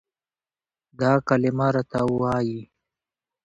دا کلمه راته وايي،